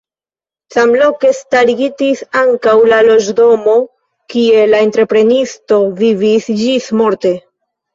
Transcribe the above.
Samloke starigitis ankaŭ la loĝdomo kie la entreprenisto vivis ĝismorte.